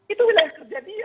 itu wilayah kerja dia